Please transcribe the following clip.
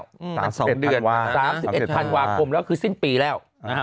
อืมตั้งแต่๒เดือนอาทิตย์ธันวาคมแล้วคือสิ้นปีแล้วนะครับอืมตั้งแต่เดือนอาทิตย์ธันวาคมแล้วคือสิ้นปีแล้ว